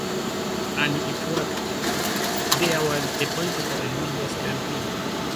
And it worked. There was a political and media stampede.